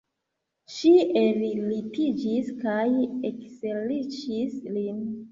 Ŝi ellitiĝis kaj ekserĉis lin.